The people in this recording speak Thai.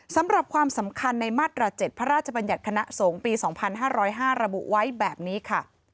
ความสำคัญในมาตรา๗พระราชบัญญัติคณะสงฆ์ปี๒๕๐๕ระบุไว้แบบนี้ค่ะ